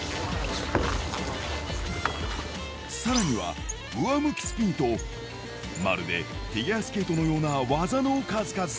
さらには、上向きスピンと、まるでフィギュアスケートのような技の数々。